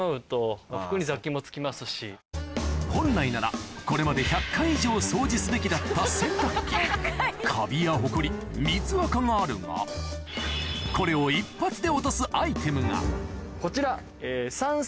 本来ならこれまで１００回以上掃除すべきだった洗濯機カビやホコリ水アカがあるがこれをこちら。